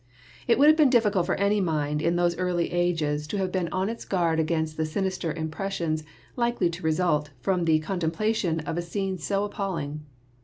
It would have been difficult for any mind in those early ages to have been on its guard against the sinister impres sions likely to result from the contemplation of a scene so appalling.